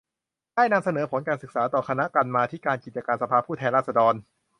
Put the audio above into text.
ได้นำเสนอผลการศึกษาต่อคณะกรรมาธิการกิจการสภาผู้แทนราษฎร